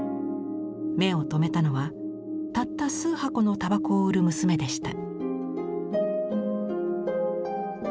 目を留めたのはたった数箱の煙草を売る娘でした。